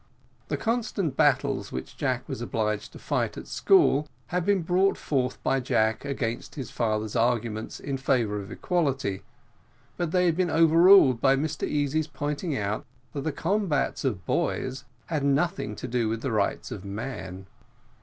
The constant battles which Jack was obliged to fight at school had been brought forward by Jack against his father's arguments in favour of equality, but they had been overruled by Mr Easy's pointing out that the combats of boys had nothing to do with the rights of man.